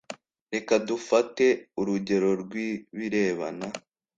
Reka dufate urugero rw ibirebana